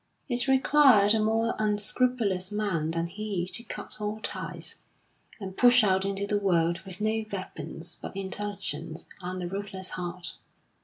It required a more unscrupulous man than he to cut all ties, and push out into the world with no weapons but intelligence and a ruthless heart.